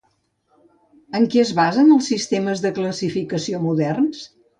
En què es basen els sistemes de classificació moderns?